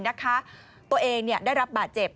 ตัวเองได้รับบาดเจ็บ